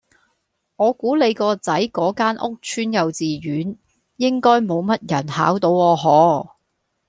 我估你個仔嗰間屋邨幼稚園應該冇乜人考到啊可